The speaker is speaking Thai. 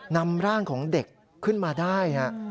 นำร่างของเด็กขึ้นมาได้